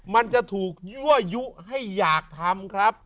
มันจะถูกยั่วยุให้อยากทำครับ